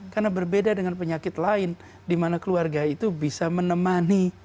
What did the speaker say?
karena berbeda dengan penyakit lain di mana keluarga itu bisa menemani